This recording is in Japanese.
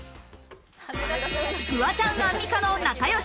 フワちゃん、アンミカの仲良し